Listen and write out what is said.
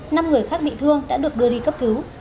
năm người khác bị thương đã được đưa đi cấp cứu